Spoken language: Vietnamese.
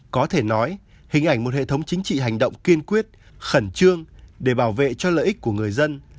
có thể nói hình ảnh một hệ thống chính trị hành động kiên quyết khẩn trương để bảo vệ cho lợi ích của người dân